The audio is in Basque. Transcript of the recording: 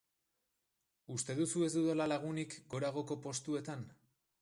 Uste duzu ez dudala lagunik goragoko postuetan?